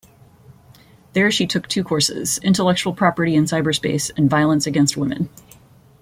There she took two courses - Intellectual Property in Cyberspace and Violence Against Women.